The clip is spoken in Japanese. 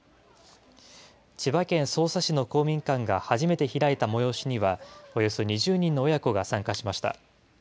千葉県匝瑳市の公民館が初めて開いた催しには、およそ２０人の親子が参加しました。